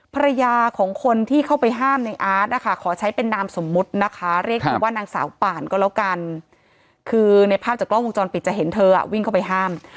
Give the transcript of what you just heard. ภรรยาของคนที่เข้าไปห้ามในอาร์ตนะคะขอใช้เป็นนามสมมุตินะคะเรียกเธอว่านางสาวป่านก็แล้วกันคือในภาพจากกล้องวงจรปิดจะเห็นเธอวิ่งเข้าไปห้าม